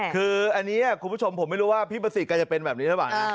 คืออันนี้คุณผู้ชมผมไม่รู้ว่าพี่ประสิทธิ์จะเป็นแบบนี้หรือเปล่านะ